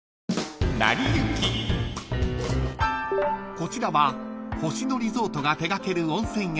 ［こちらは星野リゾートが手掛ける温泉宿］